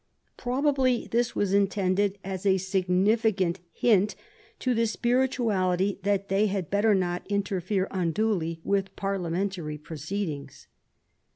Probably this was in tended as a significant hint to the spirituality that they had better not interfere unduly with parliamentary proceedings.